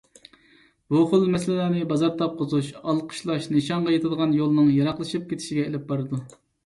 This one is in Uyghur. بۇخىل مەسىلىلەرنى بازار تاپقۇزۇش، ئالقىشلاش نىشانغا يېتىدىغان يولنىڭ يېراقلىشىپ كېتىشىگە ئېلىپ بارىدۇ.